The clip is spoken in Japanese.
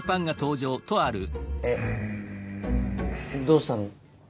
どうしたの？